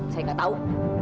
saya nggak tahu